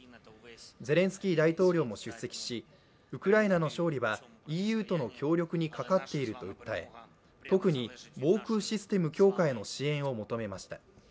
ゼレンスキー大統領も出席しウクライナの勝利はＥＵとの協力にかかっていると訴え特に防空システム強化への支援を求めました。